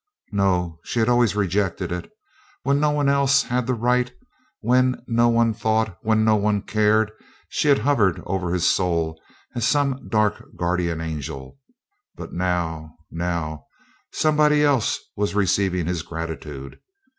No, she had always rejected it. When no one else had the right; when no one thought; when no one cared, she had hovered over his soul as some dark guardian angel; but now, now somebody else was receiving his gratitude.